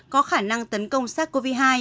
có khả năng tấn công sars cov hai